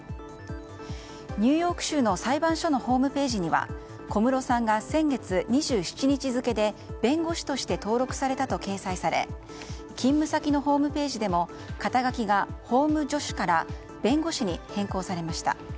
ニューヨーク州の裁判所のホームページには小室さんが先月２７日付で弁護士として登録されたと掲載され勤務先のホームページでも肩書が法務助手から弁護士に変更されました。